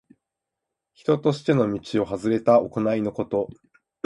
人としての道をはずれた行いのこと。